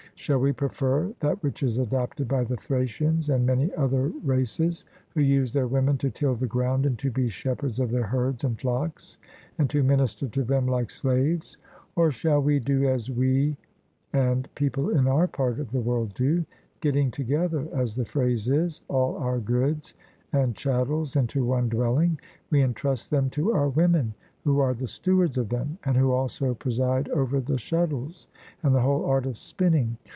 Shall we prefer that which is adopted by the Thracians and many other races who use their women to till the ground and to be shepherds of their herds and flocks, and to minister to them like slaves? Or shall we do as we and people in our part of the world do getting together, as the phrase is, all our goods and chattels into one dwelling, we entrust them to our women, who are the stewards of them, and who also preside over the shuttles and the whole art of spinning?